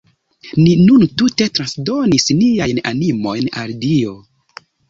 Ni nun tute transdonis niajn animojn al Dio.